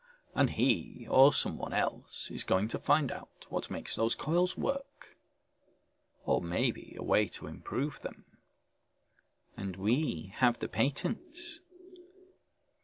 And he or someone else is going to find out what makes those coils work, or maybe a way to improve them!" "And we have the patents...."